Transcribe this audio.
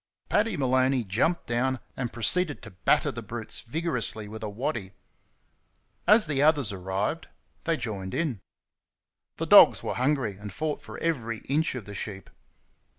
Paddy Maloney jumped down and proceeded to batter the brutes vigorously with a waddy. As the others arrived, they joined him. The dogs were hungry, and fought for every inch of the sheep.